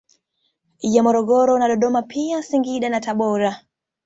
Ya Morogoro na Dodoma pia Singida na Tabora